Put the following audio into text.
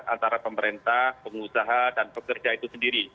antara pemerintah pengusaha dan pekerja itu sendiri